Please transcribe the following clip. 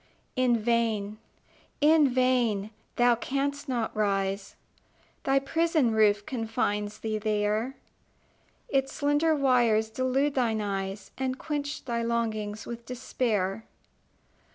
In vain in vain! Thou canst not rise: Thy prison roof confines thee there; Its slender wires delude thine eyes, And quench thy longings with despair.